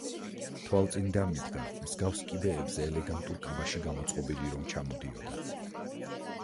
თავლწინ დამიდგა, მსგავს კიბეზე ელეგანტურ კაბაში გამოწყობილი რომ ჩამოდიოდა.